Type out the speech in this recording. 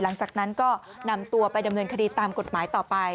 หลังจากนั้นก็นำตัวไปดำเนินคดีตามกฎหมายต่อไป